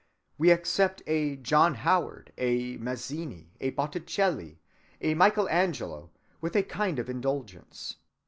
We accept a John Howard, a Mazzini, a Botticelli, a Michael Angelo, with a kind of indulgence.